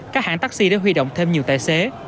các hãng taxi đã huy động thêm nhiều tài xế